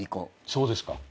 そうですか。